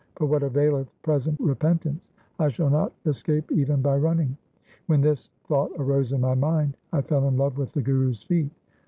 But what availeth present repentance ? I shall not escape even by running. 2 When this thought arose in my mind I fell in love with the Guru's feet.